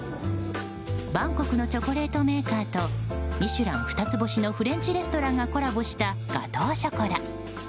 バンコクのチョコレートメーカーとミシュラン２つ星のフレンチレストランがコラボしたガトーショコラ。